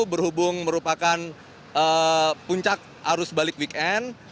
berhubung merupakan puncak arus balik weekend